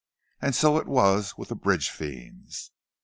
And so it was with the bridge fiends.